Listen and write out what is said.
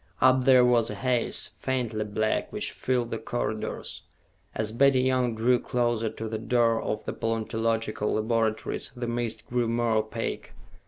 Up there was a haze, faintly black, which filled the corridors. As Betty Young drew closer to the door of the paleontological laboratories, the mist grew more opaque.